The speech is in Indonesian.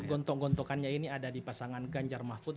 gontong gontokannya ini ada di pasangan ganjar mahfud